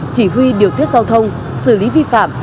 chỉ huy điều tiết giao thông xử lý vi phạm